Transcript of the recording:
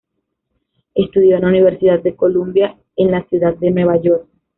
Estudió en la Universidad de Columbia, en la ciudad de Nueva York.